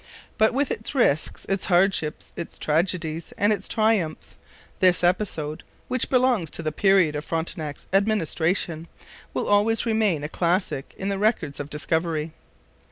But with its risks, its hardships, its tragedies, and its triumphs, this episode, which belongs to the period of Frontenac's administration, will always remain a classic in the records of discovery.